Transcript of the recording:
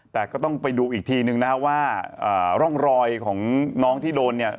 แต่ก็ต้องไปดูอีกทีนึงนะครับว่าร่องรอยของน้องที่โดนเนี่ย